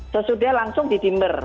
sesudah langsung di dimmer